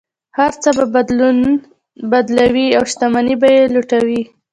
هر څه به بدلوي او شتمنۍ به یې لوټوي.